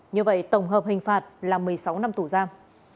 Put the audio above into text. như vậy tổng hợp hình phạt là một mươi sáu năm tù giam